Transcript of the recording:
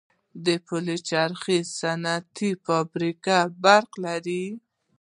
د پلچرخي صنعتي پارک برق لري؟